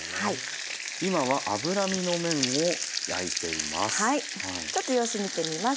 今は脂身の面を焼いています。